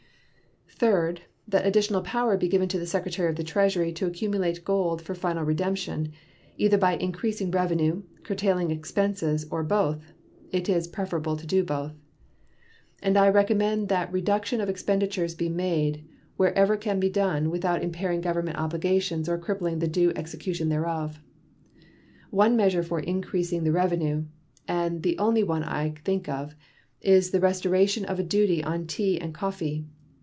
Third. That additional power be given to the Secretary of the Treasury to accumulate gold for final redemption, either by increasing revenue, curtailing expenses, or both (it is preferable to do both); and I recommend that reduction of expenditures be made wherever it can be done without impairing Government obligations or crippling the due execution thereof. One measure for increasing the revenue and the only one I think of is the restoration of the duty on tea and coffee.